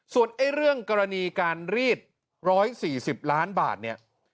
ส่วนไอ้เรื่องกรณีการรีดร้อยสี่สิบล้านบาทเนี้ย